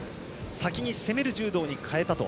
先に攻める柔道に変えたと。